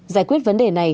giải quyết vấn đề này